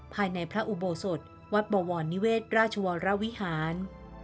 ภายในพระอุโบสถวัดบวรนิเวศราชวรวิหาร